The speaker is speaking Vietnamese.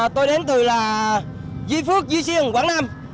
tôi đến từ là duy phước duy xuyên quảng nam